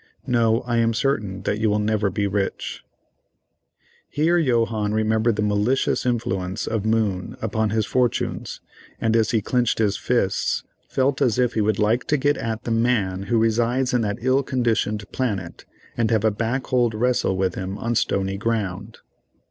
No, I am certain that you will never be rich." Here Johannes remembered the malicious influence of Moon upon his fortunes, and as he clinched his fists, felt as if he would like to get at the man who resides in that ill conditioned planet, and have a back hold wrestle with him on stony ground.